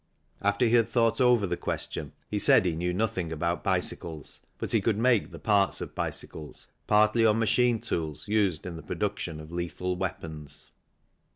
After he had thought over the question he said he knew nothing about bicycles but he could make the parts of bicycles, partly on machine tools used in the production of lethal weapons.